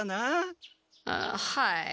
ああはい。